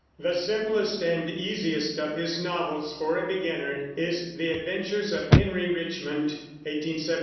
The simplest and easiest of his novels for a beginner is The Adventures of Henry Richmond (1871).